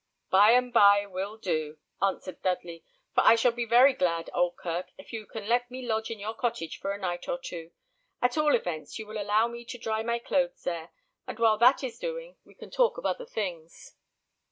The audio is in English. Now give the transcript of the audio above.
"By and bye will do," answered Dudley, "for I shall be very glad, Oldkirk, if you can let me lodge in your cottage for a night or two. At all events, you will allow me to dry my clothes there, and while that is doing, we can talk of other things."